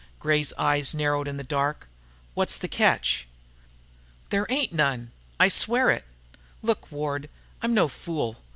Gray's eyes narrowed in the dark. "What's the catch?" "There ain't none. I swear it." "Look, Ward. I'm no fool.